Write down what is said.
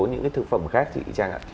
những thực phẩm khác